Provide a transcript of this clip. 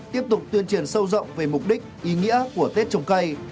tiếp tục tuyên truyền sâu rộng về mục đích ý nghĩa của tết trồng cây